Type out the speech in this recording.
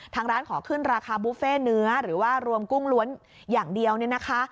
ทางร้านขอขึ้นราคาบุฟเฟ่เนื้อหรือว่ารวมกุ้งล้วนอย่างเดียวเนี่ยนะคะ